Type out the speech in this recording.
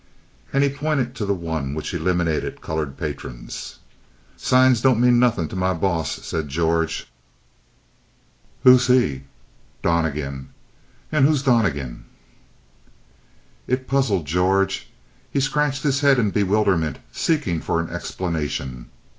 And he pointed to the one which eliminated colored patrons. "Signs don't mean nothin' to my boss," said George. "Who's he?" "Donnegan." "And who's Donnegan?" It puzzled George. He scratched his head in bewilderment seeking for an explanation.